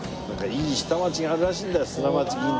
いい下町があるらしいんだよ。